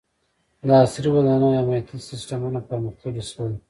• د عصري ودانیو امنیتي سیستمونه پرمختللي شول.